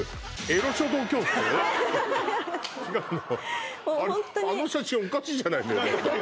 もうホントにあの写真おかしいじゃないのよ